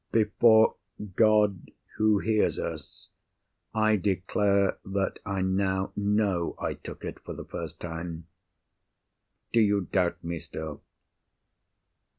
Before God who hears us, I declare that I now know I took it for the first time! Do you doubt me still?"